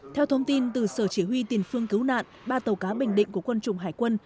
theo thông tin từ sở chỉ huy tiền phương cứu nạn ba tàu cá bình định của quân chủng hải quân